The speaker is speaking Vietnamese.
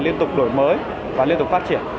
liên tục đổi mới và liên tục phát triển